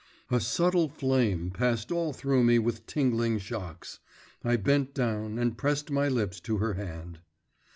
A subtle flame passed all through me with tingling shocks; I bent down and pressed my lips to her hand.